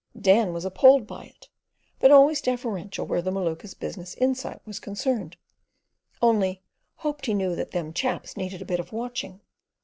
Dan was appalled at it; but, always deferential where the Maluka's business insight was concerned, only "hoped he knew that them chaps needed a bit of watching."